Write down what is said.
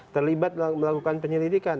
terlibat melakukan penyelidikan